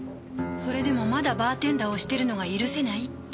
それでもまだバーテンダーをしてるのが許せないって。